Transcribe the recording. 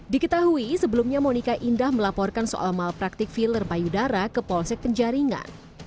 diketahui sebelumnya monika indah melaporkan soal malpraktik filler payudara ke polsek penjaringan